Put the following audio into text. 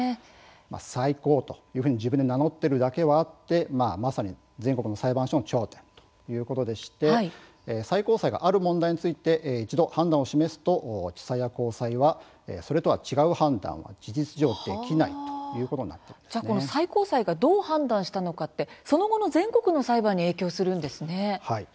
最高というふうに自分で名乗っているだけあってまさに、全国の裁判所の頂点ということでして最高裁がある問題について一度、判断を示すと地裁や高裁はそれとは違う判断は事実上できない最高裁がどう判断したのかってその後の全国の裁判に影響するんですね。